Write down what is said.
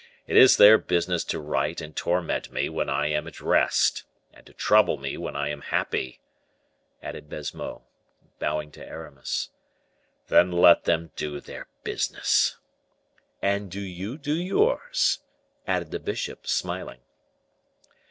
It is their business to write and torment me when I am at rest, and to trouble me when I am happy," added Baisemeaux, bowing to Aramis. "Then let them do their business." "And do you do yours," added the bishop, smiling.